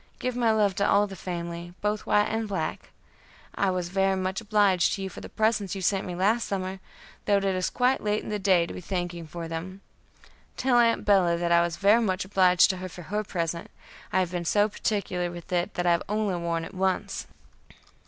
Give my love to all the family, both white and black. I was very much obliged to you for the presents you sent me last summer, though it is quite late in the day to be thanking for them. Tell Aunt Bella that I was very much obliged to her for her present; I have been so particular with it that I have only worn it once.